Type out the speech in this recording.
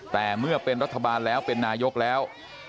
แต่เมื่อเป็นรัฐบาลแล้วเป็นนายกแล้ว